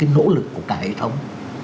nỗ lực của cả hệ thống